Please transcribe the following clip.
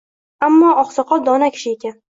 Ammo oqsoqol dono kishi ekan.